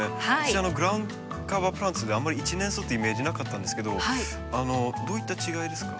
私グラウンドカバープランツではあんまり１年草ってイメージなかったんですけどどういった違いですか？